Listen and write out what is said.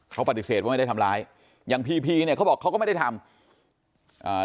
เขาปฏิเสธว่าไม่ได้ทำร้ายอย่างพีพีเนี่ยเขาบอกเขาก็ไม่ได้ทำอ่า